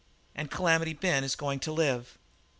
And Calamity Ben is going to live."